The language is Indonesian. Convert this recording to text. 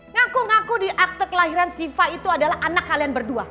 ngaku ngaku di akte kelahiran siva itu adalah anak kalian berdua